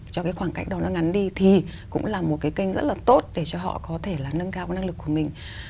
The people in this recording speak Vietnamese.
cho cái khoảng cách đó nó ngắn đi thì cũng là một cái kênh rất là tốt để cho họ có thể là nâng cao cái năng lực của mình